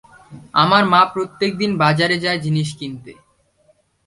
আমার মা প্রত্যেকদিন বাজারে যায় জিনিস কিনতে।